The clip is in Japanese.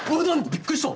びっくりした！